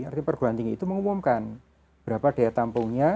artinya perguruan tinggi itu mengumumkan berapa daya tampungnya